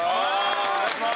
お願いします